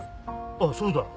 ああそうだ。